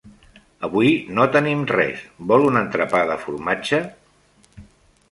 Avui no tenim res, vol un entrepà de formatge?